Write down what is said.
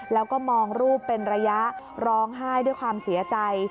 แล้วก็มองรูปเป็นระยะร้องไห้ด้วยความเสียใจ